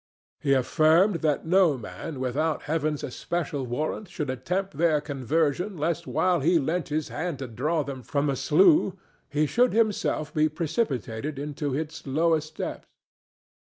He affirmed that no man without Heaven's especial warrant should attempt their conversion lest while he lent his hand to draw them from the slough he should himself be precipitated into its lowest depths.